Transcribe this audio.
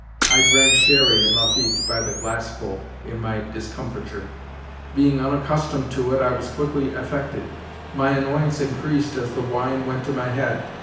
I drank sherry and Lafitte by the glassful in my discomfiture. Being unaccustomed to it, I was quickly affected. My annoyance increased as the wine went to my head.